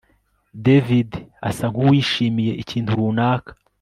David asa nkuwishimiye ikintu runaka